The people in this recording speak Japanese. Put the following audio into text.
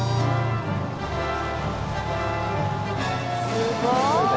すごい！